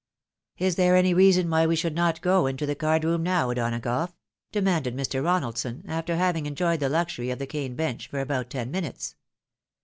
" Is there any reason why we should not go into the card room now, O'Donagough?" demanded Mr. Ronaldson, after having enjoyed the luxury of the cane bench for about ten minutes.